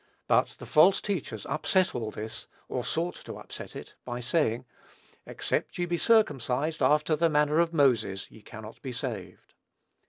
But the false teachers upset all this, or sought to upset it, by saying, "Except ye be circumcised after the manner of Moses, ye cannot be saved."